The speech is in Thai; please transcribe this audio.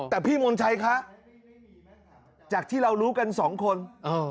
แต่พี่มนชัยคะจากที่เรารู้กันสองคน